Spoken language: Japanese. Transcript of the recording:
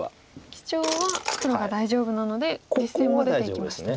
シチョウは黒が大丈夫なので実戦も出ていきました。